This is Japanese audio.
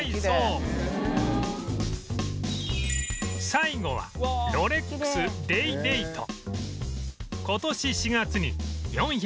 最後はロレックス「デイデイト？」